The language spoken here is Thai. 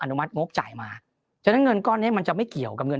นุมัติงบจ่ายมาฉะนั้นเงินก้อนเนี้ยมันจะไม่เกี่ยวกับเงิน